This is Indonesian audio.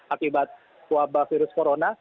akibat wabah virus corona